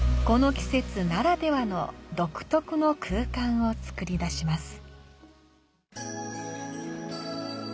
この季節ならではの独特の空間を作り出します。